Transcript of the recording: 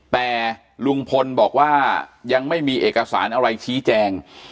แต่ลุงพลบอกว่ายังไม่มีเอกสารอะไรชี้แจง